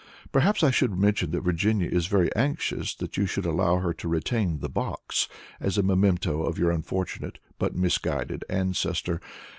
Perhaps I should mention that Virginia is very anxious that you should allow her to retain the box, as a memento of your unfortunate but misguided ancestor.